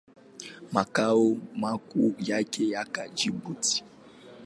Makao makuu yake yako Jibuti.